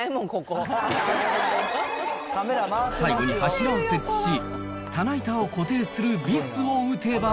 最後に柱を設置し、棚板を固定するビスを打てば。